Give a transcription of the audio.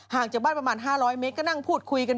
จากบ้านประมาณ๕๐๐เมตรก็นั่งพูดคุยกัน